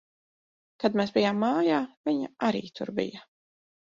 Kad mēs bijām mājā, viņa arī tur bija.